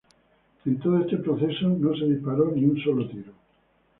En todo ese proceso no se disparó ni un solo tiro.